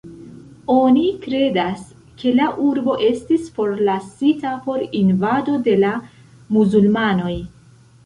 Oni kredas ke la urbo estis forlasita por invado de la muzulmanoj.